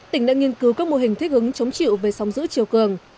tỉnh đã nghiên cứu các mô hình thích hứng chống chịu về sóng giữ chiều cường